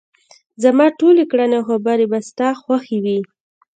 زما ټولې کړنې او خبرې به ستا خوښې وي.